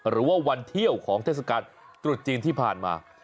หรือว่าวันเที่ยวของเทศกาลตรุษจีนที่ผ่านมา